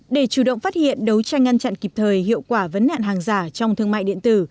để chủ động phát hiện đấu tranh ngăn chặn kịp thời hiệu quả vấn nạn hàng giả trong thương mại điện tử